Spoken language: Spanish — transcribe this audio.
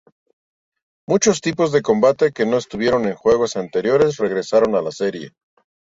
Muchos tipos de combate que no estuvieron en juegos anteriores regresaron a la serie.